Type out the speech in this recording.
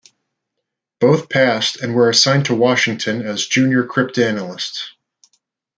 Both passed, and were assigned to Washington as junior cryptanalysts.